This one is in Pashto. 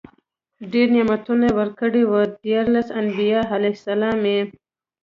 ډير نعمتونه ورکړي وو، ديارلس انبياء عليهم السلام ئي